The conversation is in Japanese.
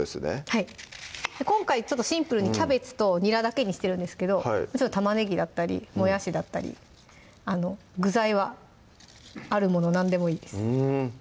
はい今回シンプルにキャベツとにらだけにしてるんですけどたまねぎだったりもやしだったり具材はあるもの何でもいいです